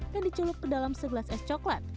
dan diculup ke dalam segelas es coklat